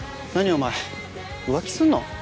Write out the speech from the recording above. お前浮気すんの？